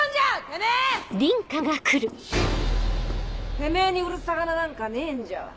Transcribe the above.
・てめぇに売る魚なんかねえんじゃわ。